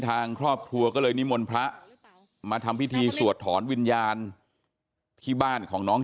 ทางครอบครัวก็เลยนิมนต์พระมาทำพิธีสวดถอนวิญญาณที่บ้านของน้อง